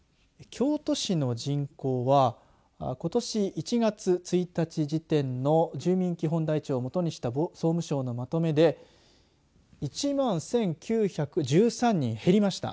京都市の人口はことし１月１日時点の住民基本台帳を基にした総務省のまとめで１万１９１３人減りました。